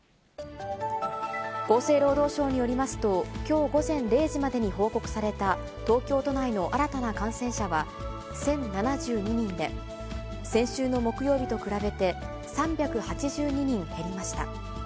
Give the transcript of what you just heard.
厚生労働省によりますと、きょう午前０時までに報告された、東京都内の新たな感染者は１０７２人で、先週の木曜日と比べて３８２人減りました。